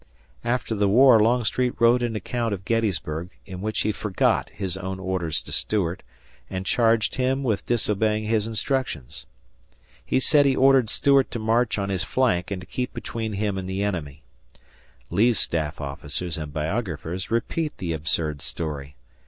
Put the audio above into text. After the war Longstreet wrote an account of Gettysburg, in which he forgot his own orders to Stuart and charged him with disobeying his instructions. He said he ordered Stuart to march on his flank and to keep between him and the enemy; Lee's staff officers and biographers repeat the absurd story.